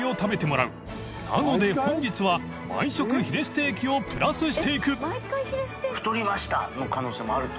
本日は毎食ヒレステーキをプラスしていく磴修Σ罅